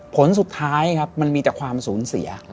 ผลสุดท้ายมันมีจากความสูญเสีย